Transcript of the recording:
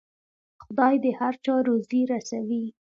خدای د هر چا روزي رسوي.